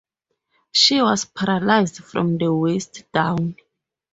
She was paralyzed from the waist down.